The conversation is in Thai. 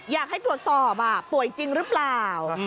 อยากให้ตรวจสอบป่วยจริงหรือเปล่า